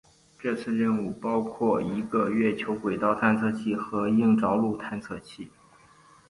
这次任务包括一个月球轨道探测器和硬着陆探测器。